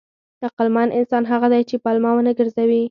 عقلمن انسان هغه دی چې پلمه ونه ګرځوي.